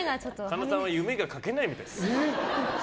神田さんは夢が書けないみたいです。